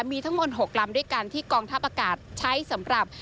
มีทั้งหมด๖ลำด้วยกันที่กองทัพอากาศใช้สำหรับ